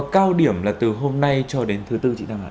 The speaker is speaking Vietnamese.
cao điểm là từ hôm nay cho đến thứ tư